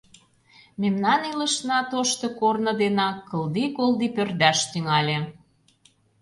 Мемнан илышна тошто корно денак кылди-колди пӧрдаш тӱҥале.